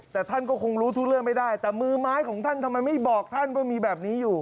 แต่ท่านก็คงรู้ทุกเรื่องไม่ได้แต่มือไม้ของท่านทำไมไม่บอกท่านว่ามีแบบนี้อยู่